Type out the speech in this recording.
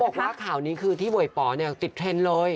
เขาบอกว่าข่าวนี้คือที่เวย์ปอติดเทรนด์เลย